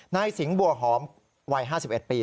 นายสิงห์บัวหอมวัย๕๑ปี